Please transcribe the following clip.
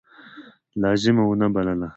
لازمه ونه بلله.